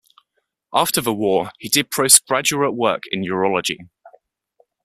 After the war, he did postgraduate work in urology.